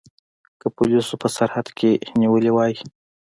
که پولیسو په سرحد کې نیولي وای.